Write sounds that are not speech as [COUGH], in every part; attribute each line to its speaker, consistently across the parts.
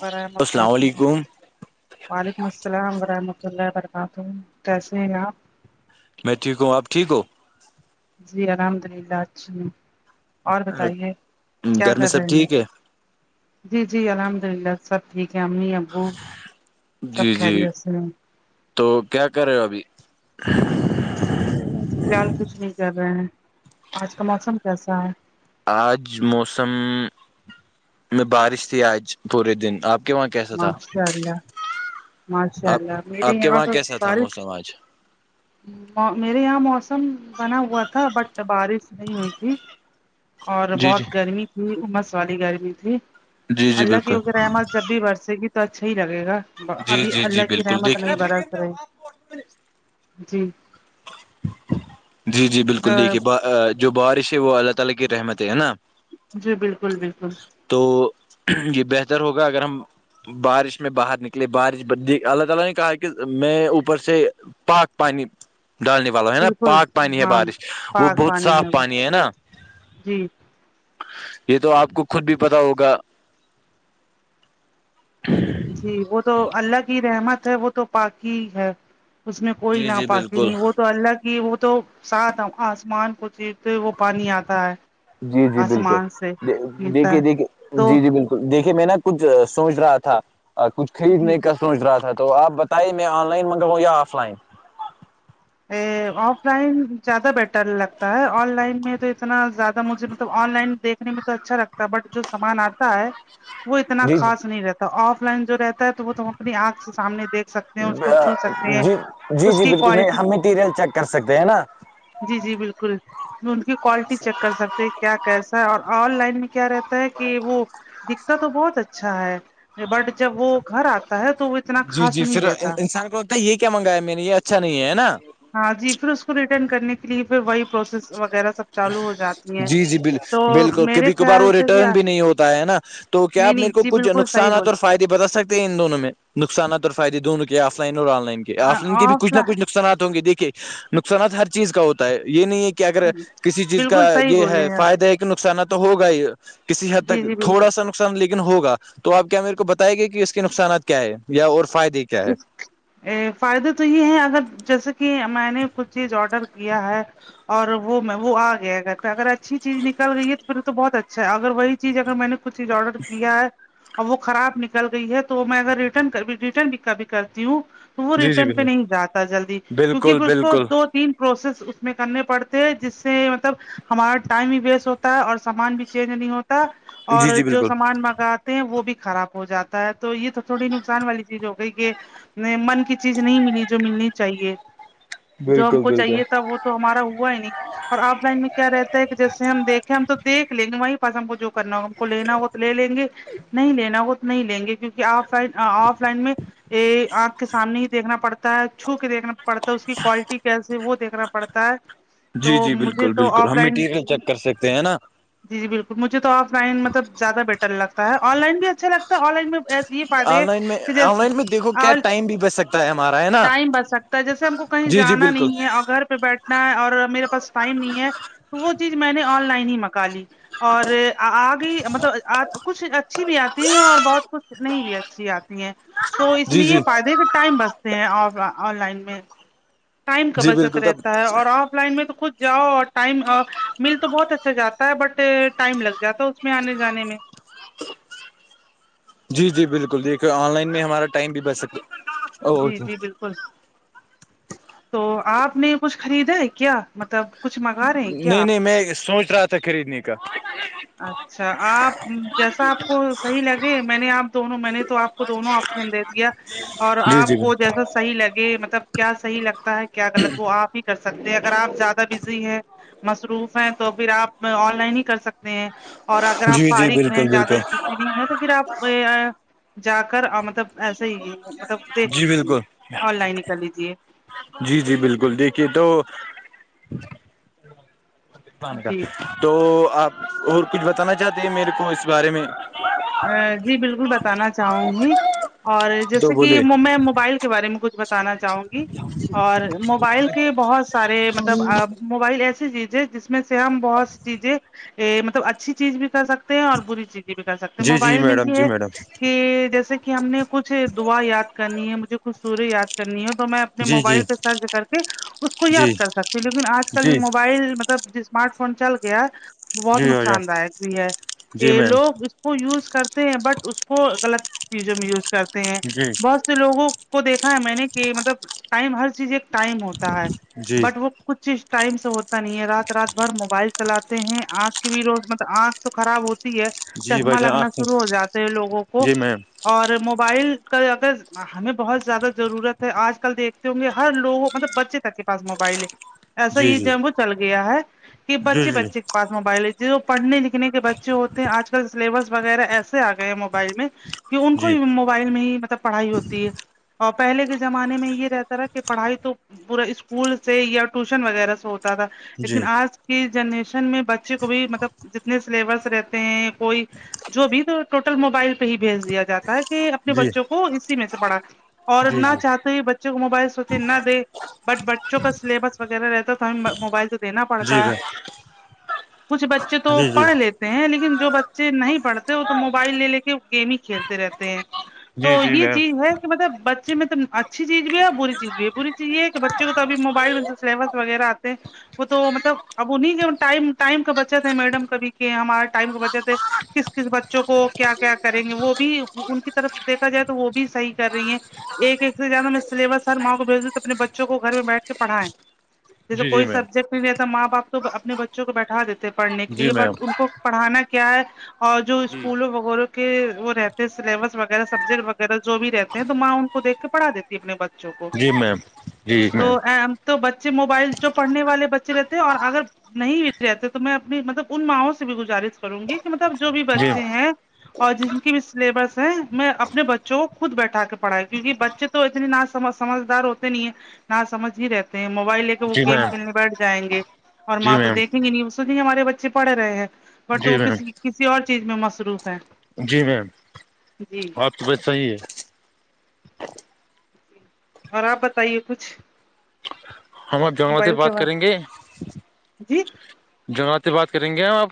Speaker 1: برائے
Speaker 2: السلام
Speaker 1: متاات
Speaker 2: علیکم
Speaker 1: وعلیکم السلام ورحمۃ اللہ وبرکاتہ ت
Speaker 2: میں ٹھیک ہوں آپ ٹھیک ہو
Speaker 1: جی الحمد للہ اچھی ہ اور بتائیے کیا
Speaker 2: گھر میں
Speaker 1: کر
Speaker 2: سب
Speaker 1: رہے ہیں
Speaker 2: ٹھیک ہے
Speaker 1: جی جی الحمد للہ سب ٹھیک ہے امی ابو سب
Speaker 2: جی
Speaker 1: کہ
Speaker 2: جی
Speaker 1: رہی ہے اس نے
Speaker 2: تو کیا کر رہے ہو ابھی
Speaker 1: فی الحال کچھ نہیں کر رہے ہیں آج کا موسم کیسا ہے
Speaker 2: آج موسم میں بارش تھی آج پورے دن آپ کے وہاں کیسا تھا
Speaker 1: ماشاء اللہ ماشاء
Speaker 2: آپ
Speaker 1: اللہ میرے
Speaker 2: آپ کے
Speaker 1: یہاں
Speaker 2: وہاں
Speaker 1: تو
Speaker 2: کیسا تھا
Speaker 1: بارش
Speaker 2: موسم آج [INAUDIBLE]
Speaker 1: میرے یہاں موسم بنا ہوا تھا بٹ بارش نہیں ہوئی تھی اور
Speaker 2: جی
Speaker 1: بہت
Speaker 2: جی
Speaker 1: گرمی تھی امس والی گرمی تھی
Speaker 2: جی جی
Speaker 1: اللہ کی
Speaker 2: بالکل
Speaker 1: اگر احمد جب بھی برسے گی تو اچھا ہی لگے گا
Speaker 2: جی
Speaker 1: ابھی
Speaker 2: جی جی
Speaker 1: اللہ کی
Speaker 2: بالکل
Speaker 1: رحمت
Speaker 2: دیکھ
Speaker 1: نہیں برت رہی جی
Speaker 2: جی جی بالکل دیکھیے جو بارش ہے وہ اللہ تعالی کی رحمت ہے نا
Speaker 1: جی بالکل بالکل
Speaker 2: تو یہ بہتر ہوگا اگر ہم بارش میں باہر نکلیے بارش اللہ تعالی نے کہا کہ میں اوپر سے پاک پانی ڈالنی والا ہے نا
Speaker 1: بالکل
Speaker 2: پاک پانی ہے
Speaker 1: ہاں
Speaker 2: بارش وہ بہت صاف پانی ہے ہے نا
Speaker 1: جی
Speaker 2: یہ تو آپ کو خود بھی پتا ہوگا
Speaker 1: جی وہ تو اللہ کی رحمت ہے وہ تو پاکی ہے اس میں کوئی
Speaker 2: جی
Speaker 1: نا
Speaker 2: جی
Speaker 1: پاکی
Speaker 2: بالکل
Speaker 1: نہیں وہ تو اللہ کہ وہ تو ساتھ آسمان کو چتے وہ پانی آتا ہے
Speaker 2: جی جی بالکل
Speaker 1: آسمان سے ملتا
Speaker 2: دیکھیے
Speaker 1: ہے
Speaker 2: دیکھیے
Speaker 1: تو
Speaker 2: جی جی بالکل دیکھے میں نا کچھ سوچ رہا تھا کچھ
Speaker 1: جی
Speaker 2: خریدنے کا سوچ رہا تھا تو آپ بتائیے میں آن لائن منگراؤں یا آف لائن ج
Speaker 1: آف لائن زیادہ بیٹر لگتا ہے آن لائن میں تو اتنا زیادہ مجھے مطلب آن لائن دیکھنے میں اچھا لگتا ہے بٹ جو سامان آتا ہے وہ اتنا
Speaker 2: جی جی
Speaker 1: خاص نہیں رہتا آف لائن جو رہتا ہے تو وہ تم اپنی آنکھ سے سامنے دیکھ سکتے ہیں اس کو چھو سکتے ہیں
Speaker 2: جی جی
Speaker 1: اس
Speaker 2: جی
Speaker 1: کی
Speaker 2: بالکل
Speaker 1: کوالٹی
Speaker 2: ہم میٹیریل چیک کر سکتے ہیں نا
Speaker 1: جی جی بالکل کی کوالٹی چیک کر سکتے کیا کیسا ہے اور آن لائن میں کیا رہتا ہے کہ وہ دکھتا تو بہت اچھا ہے بٹ جب وہ گھر آتا ہے تو وہ اتنا خاص نہیں رہتا
Speaker 2: ا یہ کیا منگایا میں نے یہ اچھا نہیں ہے نا
Speaker 1: ہاں جی پھر اس کو ریٹرن کرنے کے لیے پھر وہی پروسیس وغیرہ سب چالو ہو جاتی ہیں
Speaker 2: جی جی ب
Speaker 1: تو
Speaker 2: بالکل
Speaker 1: میرے
Speaker 2: کبھی کبھار وہ
Speaker 1: خیال سے
Speaker 2: ریٹرن
Speaker 1: کیا
Speaker 2: بھی نہیں ہوتا ہے نا تو کیا آ
Speaker 1: نہیں نہیں
Speaker 2: میرے کو
Speaker 1: جی
Speaker 2: کچھ
Speaker 1: بالکل صحیح
Speaker 2: نقصانات
Speaker 1: بول
Speaker 2: اور فائے بدل سکتے ان دونوں میں نقصانات اور فائدے دونوں کے آف لائن اور آن لائن کے آف لائن بھی کچ نہ کچھ نقصانات ہوں گے دیکھیے نقصانات ہر چیز کا ہوتا ہے یہ نہیں ہے کہ اگر کسی چیز کا
Speaker 1: بالکل صحیح
Speaker 2: یہ
Speaker 1: بولے
Speaker 2: ہے
Speaker 1: ہیں آپ
Speaker 2: فائدہ ہے کہ نقصانہ تو ہوگا ہی کسی حد
Speaker 1: جی
Speaker 2: تک
Speaker 1: جی
Speaker 2: تھوڑا
Speaker 1: بالکل
Speaker 2: سا ن نقصان لیکن ہوگا تو آپ کیا میرے کو بتائے گے کہ اس کے نقصانات کیا ہے یا اور فائدے کی
Speaker 1: [UNINTELLIGIBLE] ا فائدے تو یہ ہے اگر جیسے کہ میں نے کچھ چیز آڈر کیا ہے اور وہ میں وہ آ گیا اھر پہ اگر اچھی چیز نکال گئی ہے تو میرے تو بہت اچھا ہے اگر وہی چیز اگر میں نے کچھ چیز آرڈر کیا ہے اور وہ خراب نکل گئی ہے تو میں اگر رٹر ریٹرن بھی کبھی کرتی ہوں وہ
Speaker 2: جی جی
Speaker 1: ریٹرن پہ
Speaker 2: بالکل
Speaker 1: نہیں جاتا جلدی کیونکہ
Speaker 2: بالکل
Speaker 1: پھر اس کو
Speaker 2: بالکل
Speaker 1: دو تین پروسیس اس میں کرنے پڑتے جس سے مطلب ہمارا ٹائم بھی ویسٹ ہوتا ہے اور سامان بھی چینج نہیں ہوتا اور
Speaker 2: جی جی
Speaker 1: جو
Speaker 2: بالکل
Speaker 1: سامان منگاتے ہیں وہ بھی خراب ہو جاتا ہے تو یہ تو تھوڑی نقصان والی چیز ہو گئی من کی چیز نہیں ملی جو ملنی چاہیے جو ہم
Speaker 2: بالکل
Speaker 1: کو
Speaker 2: بالکل
Speaker 1: چاہیے تھا وہ تو ہمارا ہوا ہے نہیں اور آف لائن میں کیا رہتا ہے کہ جیسے ہم دیکیں ہم تو دھ لیں گے وہیں پاس ہم کو جو کرنا ہوگا کو لینا ہو تو لے لیں گے نہیں لینا ہو تو نہیں لیں گے کیونک آف لائن آف لائن میں آنکھ کے سامنے ہی دیکھنا پڑتا ہے چھو کے دیکھنا پڑتا اس کی کوالٹی کیسے وہ دیکھنا پڑتا ہے
Speaker 2: جی
Speaker 1: تو
Speaker 2: جی
Speaker 1: مجھے
Speaker 2: بالکل
Speaker 1: تو
Speaker 2: بالکل
Speaker 1: آف
Speaker 2: ہم
Speaker 1: لائن
Speaker 2: مٹیریل چیک کر سکتے ہیں نا
Speaker 1: جی بالکل مجھے تو آف لائن مل زیادہ بیٹر لگتا ہے آن لائن بھی اچھا لگتا ہے آن لائن بھی ایسے ہی
Speaker 2: آن
Speaker 1: فائدے
Speaker 2: لائن میں
Speaker 1: کہ
Speaker 2: آن
Speaker 1: جیسے
Speaker 2: لائن میں دیکھو
Speaker 1: آ
Speaker 2: کیا ٹائم بھی بچ سکتا ہے ہمارا ہے نا
Speaker 1: ٹائم بچ سکتا جیسے ہم کو کہیں
Speaker 2: جی جی
Speaker 1: جانا
Speaker 2: بالکل
Speaker 1: نہیں ہے اور گھر پہ بیٹھ نا اور میرے پاس ٹائم نہیں ہے تو وہ چیز میں نے آن لائن ہی منکا لی اور آگے مطلب کچھ اچھی بھی آتی ہے اور بہت کچھ نہیں بھی اچھی آتی ہیں تو اس
Speaker 2: جی
Speaker 1: میں یہ
Speaker 2: جی
Speaker 1: فائدہ ہے کہ ٹائم بچتے ہیں آن لائن میں ٹائم کا
Speaker 2: جی
Speaker 1: بچت
Speaker 2: بالکل تب
Speaker 1: رہتا ہے اور آف لائن میں تو خود جاؤ اور ٹائم مل تو بہت اچھا جاتا بٹ ٹائم لگ جاتا ہے اس میں آنے جانے میں
Speaker 2: جی جی بالکل دیکھیے آن لائن میں ہمارا ٹائم بھی بچ سکے
Speaker 1: جی جی بالکل تو آپ نے یہ کچھ خریدا ہے کیا مطلب کچھ مگا
Speaker 2: نہیں نہیں میں سوچ رہا تھا خریدنے کا
Speaker 1: اچھا آپ جیسا آپ کو صحیح لگے میں نے آپ دونوں میں نے تو آپ دونوں آپشن دے دیا اور
Speaker 2: جی جی
Speaker 1: آپ کو جیسا صحیح لگے مطلب کیا صحیح لگتا ہے کیا غلط وہ آپ ہی کر سکتے ہیں اگر آپ زیادہ بزی ہیں مصروف ہیں تو پھر آپ آن لائن ہی کر سکتے ہیں اور اگر آپ
Speaker 2: جی جی
Speaker 1: فارغ ہیں
Speaker 2: بالکل
Speaker 1: زیادہ
Speaker 2: بالکل
Speaker 1: ہے تو پھر آپ جا کر مطلب ایسے ہی تب دیکھ
Speaker 2: جی
Speaker 1: لیجیے
Speaker 2: بالکل
Speaker 1: آن لائن ن کر لیجیے
Speaker 2: جی جی بالکل دیکھیے تو پان کا
Speaker 1: جی
Speaker 2: تو آپ اور کچھ بتانا چاہتے ہیں میرے کو اس بارے میں
Speaker 1: جی بالکل بتانا چاہوں گی اور
Speaker 2: تو
Speaker 1: جیسے کہ
Speaker 2: بولے
Speaker 1: میں موبائل بارے میں کچھ بتانا چاہوں گی اور موبائل کے بہت سارے مطلب موبائل ایسی چیز ہے جس میں سے ہم بہت سی چیزیں ا مطلب اچھی چیز بھی کر سکتے ہیں اور بری چیزیں بھی کر سکتے تو
Speaker 2: جی جی
Speaker 1: موبائل میں
Speaker 2: میڈم
Speaker 1: یہ
Speaker 2: جی
Speaker 1: ہے
Speaker 2: میڈم
Speaker 1: کہ جیسے کہ ہم نے کچھ دعا یاد کرنی ہے مجھے کچھ سورج یاد کرنی ہے میں اپنے
Speaker 2: جی جی
Speaker 1: موبائل پہ سرچ کر کے اس کو
Speaker 2: جی
Speaker 1: یاد کر سکتی ہوں لیکن آج کل
Speaker 2: جی
Speaker 1: یہ موبائل مطلب ج اسمارٹ فون چل گیا
Speaker 2: جی
Speaker 1: بہت
Speaker 2: بھائی جان
Speaker 1: نقصان داک بھی ہے
Speaker 2: جی
Speaker 1: یہ
Speaker 2: میم
Speaker 1: لوگ وہ یوز کرتے ہیں بٹ اس کو غلط چیزوں میں یوز کرتے ہیں
Speaker 2: جی
Speaker 1: بہت لوگوں کو دیکھا ہے میں نے کہ مطلب ٹائم ہر چیز ایک ٹائم ہوتا ہے
Speaker 2: جی
Speaker 1: بٹ وہ کچھ ٹائم سے ہوتا نہیں ہے رات رات بھر موبائل چلاتے ہیں آنکھ کے بھی روز مطلب آنکھ تو خراب ہوتی ہے
Speaker 2: جی بھائی
Speaker 1: چشمہ
Speaker 2: جان
Speaker 1: لگنا
Speaker 2: آپ
Speaker 1: شروع ہو جاتے ہے لوگوں کو
Speaker 2: جی میم
Speaker 1: اور موبائل کا اگر ہمیں بہت زیادہ ضرورت ہے آج کل دیکھ ہوں گے ہر لوگ مطلب بچے تک کے پاس موبائل ہے ایسا
Speaker 2: جی
Speaker 1: یہ
Speaker 2: جی
Speaker 1: جم وہ چل گیا ہے کہ
Speaker 2: جی
Speaker 1: بچے بچے پاس موبائل جو پڑھ لکھنے کے بچے ہوتے ہیں آج کل سلیبس وغیرہ ایسے آ گئے موبائل میں کہ ان کو
Speaker 2: جی جی
Speaker 1: مو موبائل میں ہی مطلب پڑھائی ہوتی ہے اور پہلے کے زمانے میں یہ رہتا تھاا کہ پڑھائی تو پورا اسکول سے یا ٹیوشن وغیرہ سے ہوتا تھا لیکن
Speaker 2: جی
Speaker 1: آج کی جنریشن میں بچے کو بھی مطلب جتنے سلیبس رہتے ہیں کوئی جو بھی تو ٹوٹل موبائل پہ ہی بھیج دیا جاتا ہے کہ اپنے بچوں کو اسی میں سے پڑھا اور نہ چاہتے بچوں کو موبائل سوچے نہ دے بٹ بچوں کا سلیبس وغیرہ رہتا تو ہمیں موبائل تو دینا پڑتا ہے کچھ بچے
Speaker 2: جی
Speaker 1: تو
Speaker 2: جی
Speaker 1: پڑھ لیتے ہیں لیکن جو ب بچے نہیں پڑھتے ہیں وہ تو موبائل لے لے کے گیم ہی کھیلتے رہتے ہیں تو
Speaker 2: جی جی
Speaker 1: یہ
Speaker 2: میم
Speaker 1: چیز ہے کہ مطلب بچ میں تو اچھی چیز بھی ہے اور بری چیز ہے بری چیز یہ ہے کہ بچے توبھی موبائل میں سلیبس وغیرہ آتے ہیں وہ تو مطلب اب وہ نہیں م ٹائم کا بچت ہے میڈم کبھی کہ ہمارے ٹائم کا بچت ہے کس کس بچوں کو کیا کیا کریں گے وہ بھی ان کی طرف دیکھا جائے تو وہ بھی صحیح کر رہی ہیں ایک ایک سے زیادہ میں سلیبس ہر ماں کو بھیج دوں تو اپنے بچوں کو گھر میں بیٹھ کے پڑھائیں جیسے
Speaker 2: جی جی
Speaker 1: کوئی سبجیکٹ نہیں رہتا ماں باپ تو اپنے بچوں کو بیٹھا دیتے پڑھنے کے
Speaker 2: جی
Speaker 1: لیے بٹ ان کو پڑھانا کیا ہے اور جو اسکولوں وغیرہ کے وہ رہتے ہیں سلیبس وغیرہ سبجیکٹ وغیرہ جو بھی رہتے ہیں تو ماں ان کو دیکھ کے پڑھا دیتی اپنے بچوں کو
Speaker 2: جی میم جی جی میم جی میم
Speaker 1: تو
Speaker 2: جی
Speaker 1: تو بچے موبائل جو پڑھنے والے بچے رہتے ہیں اور اگر نہیں رہتے تو میں اپنی مطلب ان ماوں سے بھی گزارش کروں گی کہ مطلب جو بھی بچے ہیں اور جن کی بھی سلیبس ہے میں اپنے بچوں کو خود بیٹھا کے پڑھایا کیوںہ بچے تو اتنی نہ سمجھ سمجھدار ہوتے نہیں ہے ن سمجھ ہی رہتا موبائل لے کے وہ
Speaker 2: جی
Speaker 1: گیم
Speaker 2: میم
Speaker 1: کھیلنے بیٹھ جائیں گے اور
Speaker 2: جی
Speaker 1: ماں تو
Speaker 2: میم
Speaker 1: دیکھ ہمارے بچے پڑھ رہے ہیں بٹ
Speaker 2: جی
Speaker 1: تو
Speaker 2: جی میم جی میم جی
Speaker 1: وہ
Speaker 2: میم
Speaker 1: کسی کسی اور چیز میں مصروف ہے
Speaker 2: جی میم
Speaker 1: جی
Speaker 2: آپ کی بات صحیح ہے
Speaker 1: اور آپ بتائیے کچھ
Speaker 2: ہم آپ جنگلات
Speaker 1: موبائل کے
Speaker 2: بات کریں
Speaker 1: بارے
Speaker 2: گے
Speaker 1: جی
Speaker 2: جنگلاتات بات کریں گے ہم آپ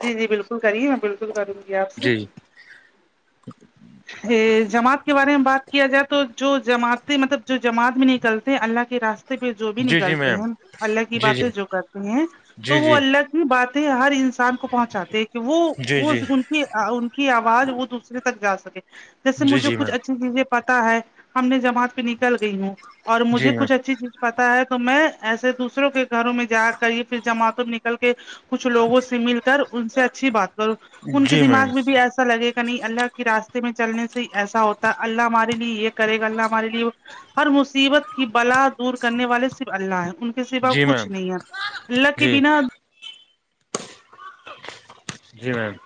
Speaker 1: جی جی بالکل کریے میں بالکل کروں گی آپ سے
Speaker 2: جی [INAUDIBLE]
Speaker 1: جماعت کے بارے میں بات کیا جائے تو جو جماعتیں مطلب جو جماعت بھی نکلتے ہیں اللہ کے راستے پہ جو بھی
Speaker 2: جی جی
Speaker 1: نکلتے
Speaker 2: میم
Speaker 1: ہیں اللہ کی
Speaker 2: جی
Speaker 1: باتیں
Speaker 2: جی
Speaker 1: جو کرتے ہیں
Speaker 2: جی
Speaker 1: تو وہ
Speaker 2: جی
Speaker 1: اللہ باتیں ہر انسان کو پہنچاتے ہیں کہ وہ
Speaker 2: جی
Speaker 1: وہ
Speaker 2: جی
Speaker 1: گن ان کی آواز وہ دوسرے تک جا سکے جیسے
Speaker 2: جی
Speaker 1: مجھے
Speaker 2: جی
Speaker 1: کچھ
Speaker 2: میم
Speaker 1: اچھی چیزیں پتا ہے ہم نے جماعت پہ نکل گئی ہوں اور
Speaker 2: جی
Speaker 1: مجھے
Speaker 2: میم
Speaker 1: کچھ اچھی چیز پتا ہے تو میں ایسے دوسروں کے گھروں میں جا کر یہ پھر جمعتوں میں نکل کے کچھ لوگوں سے مل کر ان سے اچھی بات کرو ان کے
Speaker 2: جی میم
Speaker 1: دماغ میں بھی ایسا ایسا لگے گا نہیں اللہ کے راستے میں چلنے سے ہی ایسا ہوتا اللہ ہمارے لیے یہ کرے گا اللہ ہمارے لیے ہر مصیبت کی بلا دور کرنے والے صرف اللہ ہیں ان سوا
Speaker 2: جی
Speaker 1: کچھ
Speaker 2: میم
Speaker 1: نہیں ہے اللہ کے
Speaker 2: جی
Speaker 1: بنا
Speaker 2: جی میم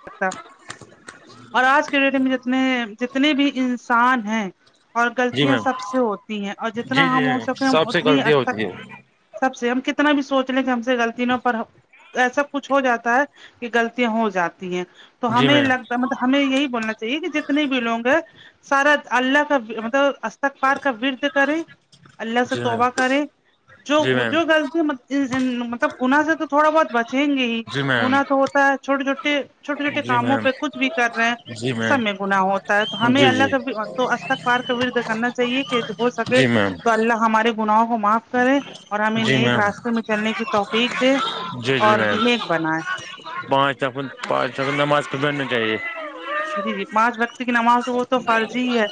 Speaker 1: اور آج کے ڈیٹ میں جتنے جتنے بھی انسان ہیں اور
Speaker 2: جی
Speaker 1: غلطیاں
Speaker 2: میم
Speaker 1: سب سے ہوتی ہیں اور جتنا
Speaker 2: جی جی
Speaker 1: ہم ہو
Speaker 2: میم
Speaker 1: سکے ہم
Speaker 2: سب سے
Speaker 1: اتنی
Speaker 2: غلطیاں
Speaker 1: تک
Speaker 2: ہوتی ہے
Speaker 1: سب سے ہم کتنا بھی سوچ لیں کہ ہم سے غلطی نہ پر ایسا کچھ ہو جاتا ہے کہ غلطیاں ہو جاتی ہیں تو
Speaker 2: جی
Speaker 1: ہمیں
Speaker 2: میم
Speaker 1: لگ مطلب ہمیں یہی بولنا چاہیے کہ جتنے بھی لوگ ہیں سارا اللہ کا مطلب اسخار کا ورد کریں اللہ سے
Speaker 2: جی میم
Speaker 1: توبہ کرے جو
Speaker 2: جی میم
Speaker 1: جو غلطی مطلب گن سے تو تھوڑا بہت بچیں گے ہی
Speaker 2: جی میم
Speaker 1: منا تو ہوتا ہے چھوٹے چھوٹے چھوٹے چھوٹے
Speaker 2: جی
Speaker 1: کاموں
Speaker 2: میم
Speaker 1: پہ کچھ بھی کر رہے ہیں
Speaker 2: جی
Speaker 1: سب میں
Speaker 2: میم
Speaker 1: گنااہ ہوتا ہے تو ہمیں
Speaker 2: جی
Speaker 1: اللہ
Speaker 2: جی
Speaker 1: کا بھی تو اسستک پار کا وردھ کرنا چاہیے کہ ہو سکے
Speaker 2: جی میم
Speaker 1: تو اللہ ہمارے گناہ کو معاف کرے اور ہمیں
Speaker 2: جی
Speaker 1: نیک
Speaker 2: میم
Speaker 1: راستے میں چلنے کی توفیق دے
Speaker 2: جی
Speaker 1: اور نیک بنائے
Speaker 2: ج پا نماز پ پڑنا چاہیے
Speaker 1: جی جی پانچ بکتی کی نماز ہے وہ تو فرضی ہی ہے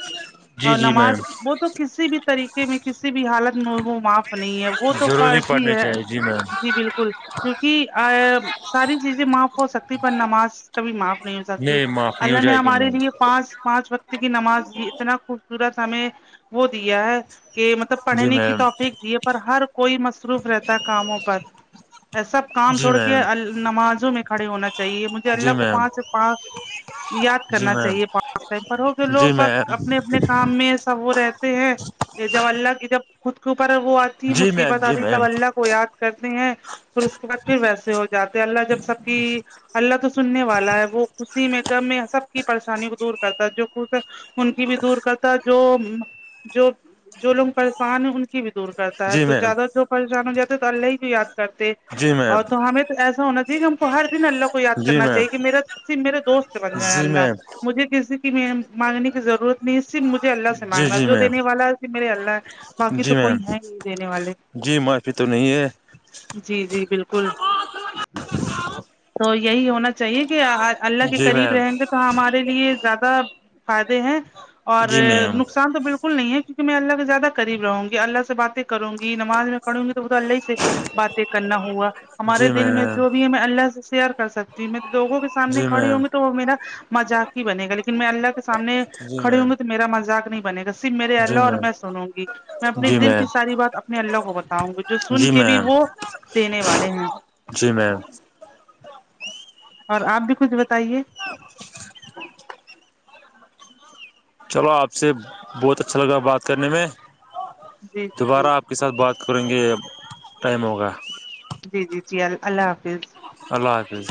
Speaker 2: جی
Speaker 1: اور
Speaker 2: جی میم
Speaker 1: نماز وہ تو کسی بھی طریقے میں کسی بھی حالت میں وہ معاف نہیں ہے وہ تو
Speaker 2: ضروری
Speaker 1: فرض ہی
Speaker 2: پڑھنی
Speaker 1: ہے
Speaker 2: چاہیے جی میم
Speaker 1: جی بالکل کیونکہ ا ساری چیزیں معاف ہو سکتی پر نماز کبھی معاف نہیں ہو سکتی
Speaker 2: معاف نہیں ہو
Speaker 1: اللہ نے
Speaker 2: جائے گی
Speaker 1: ہمارے
Speaker 2: میم
Speaker 1: نہیںے پانچ پانچ وقت کی نماز اتنا خوبصورت ہمیں وہ دیا ہے کہ مطلب
Speaker 2: جی
Speaker 1: پڑھنے کی
Speaker 2: میم
Speaker 1: توفق پر ہر کوئی مصروف رہتا کاموں پر ای سب کام
Speaker 2: جی
Speaker 1: چھوڑ کے
Speaker 2: میم
Speaker 1: ال نمازوں میں کھڑے ہونا چاہیے مجھے
Speaker 2: جی
Speaker 1: اللہ کو
Speaker 2: میم
Speaker 1: پانچ سے پان یاد
Speaker 2: جی
Speaker 1: کرنا
Speaker 2: میم
Speaker 1: چاہیے پانچ ٹائم پرھ کے لوگ
Speaker 2: جی
Speaker 1: ب
Speaker 2: میم
Speaker 1: اپنے اپنے کام میں ب وہ رہتے ہیں یہ جب اللہ کی جب خود کے اوپر وہ آتی
Speaker 2: جی میم
Speaker 1: مصیبت
Speaker 2: جی
Speaker 1: آتی تب
Speaker 2: میم
Speaker 1: اللہ کو یاد کرتے ہیں پھر اس کے بعد پھر ویسے ہو جاتے اللہ جب سب کی اللہ تو سننے والا ہے وہ خی میں میں سب کی پریشانی کو دور کرتا جو کچھ ان کی بھی دور کرتا جو جو جو لوگ پریشان ہیں ان کی دور کرتا ہے
Speaker 2: جی
Speaker 1: تو
Speaker 2: میم
Speaker 1: زیادہ جو پریشان ہو جاتے تو اللہ ہی کو یاد کرتے
Speaker 2: جی
Speaker 1: اور
Speaker 2: میم
Speaker 1: تو ہمیں ایسا ہونا جی ہم کو ہر دن اللہ کو یاد
Speaker 2: جی
Speaker 1: کرنا
Speaker 2: میم
Speaker 1: چاہیے کہ میرا صف میرے دوست بن جائےیں
Speaker 2: جی
Speaker 1: اللہ
Speaker 2: میم
Speaker 1: مجھے کسی کی مانگنے کی ضرورت نہیں صف مجھے اللہ سے
Speaker 2: جی
Speaker 1: مانگنا
Speaker 2: جی
Speaker 1: جو
Speaker 2: میم
Speaker 1: دینے والا ہے میرے اللہ باقی تو کوئی ہے ہی دینے والے
Speaker 2: پھی تو نہیں ہے
Speaker 1: جی جی بالکل تو یہی ہونا چاہیے کہ اللہ کے
Speaker 2: جی
Speaker 1: قریب
Speaker 2: میم
Speaker 1: رہیں گے تو ہمارے لیے زیادہ فائدے ہیں اور
Speaker 2: جی میم
Speaker 1: نقصان تو بالکل کل نہیں ہے کیونک میں اللہ کے زیادہ قریب رہوں گی اللہ سے باتیں کروں گی نماز میں پڑوں گی تو ب تو اللہی سے باتیں کرنا ہوگا ہمارے
Speaker 2: جی
Speaker 1: دل میں
Speaker 2: میم
Speaker 1: جو بھی ہے ہم اللہ سے شیئر کر سکتا جی میںوگوں کے سامنے
Speaker 2: جی
Speaker 1: کڑی
Speaker 2: میم
Speaker 1: ہوں گی تو وہ میرا مذاق ہی بنے گا لیکن میں اللہ سامنے
Speaker 2: جی
Speaker 1: کھڑے
Speaker 2: میم
Speaker 1: ہوئے تو میرا مذاق نہیں بنے گا ف میرے اللہ
Speaker 2: جی
Speaker 1: اور
Speaker 2: میم
Speaker 1: میں سنوں گی میں اپنی
Speaker 2: جی
Speaker 1: دل کی
Speaker 2: میم
Speaker 1: ساری بات اپنے اللہ کو بتاؤں گی جو سن کے بھی وہ دینے والے ہیں
Speaker 2: جی میم
Speaker 1: اور آپ بھی کچھ بتائیے
Speaker 2: [INAUDIBLE] چلو آپ سے بہت اچھا لگا بات کرنے میں
Speaker 1: جی جی
Speaker 2: دوبارہ
Speaker 1: جی
Speaker 2: آپ کے ساتھ بات کریں گے ٹائم ہوگا
Speaker 1: جی جی جی ال اللہ حافظ
Speaker 2: اللہ حافظ